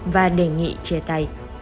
và đề nghị chê tay